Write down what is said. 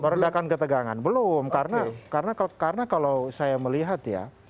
meredakan ketegangan belum karena kalau saya melihat ya